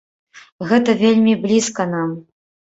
Гэта вельмі блізка нам.